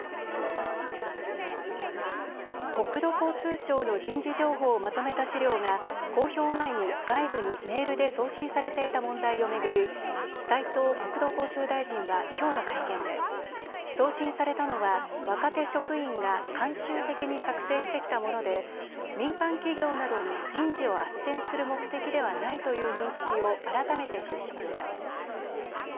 国土交通省の人事情報をまとめた資料が公表前に外部にメールで送信されていた問題を巡り斉藤国土交通大臣はきょうの会見で送信されたのは若手職員が慣習的に作成してきたもので民間企業などに人事をあっせんする目的ではないという認識を改めて示しました。